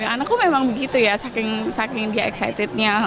anak aku memang begitu ya saking dia excitednya